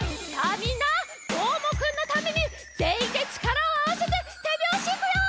みんなどーもくんのためにぜんいんでちからをあわせててびょうしいくよ！